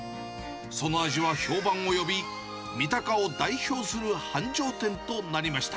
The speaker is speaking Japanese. その味は評判を呼び、三鷹を代表する繁盛店となりました。